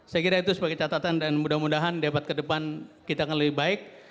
saya kira itu sebagai catatan dan mudah mudahan debat ke depan kita akan lebih baik